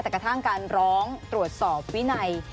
แต่กระทั่งการร้องตรวจสอบวินัย